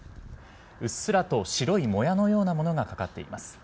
うっすらと白いもやのようなものがかかっています。